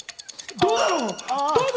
どうだろう？